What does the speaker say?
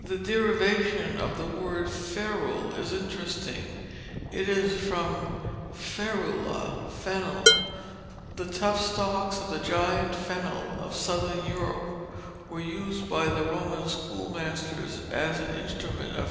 The derivation of the word "ferule" is interesting. It is from ferula, fennel. The tough stalks of the giant fennel of Southern Europe were used by the Roman schoolmasters as an instrument of castigation.